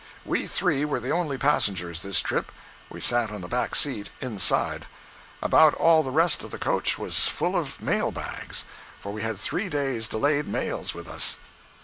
We three were the only passengers, this trip. We sat on the back seat, inside. About all the rest of the coach was full of mail bags—for we had three days' delayed mails with us.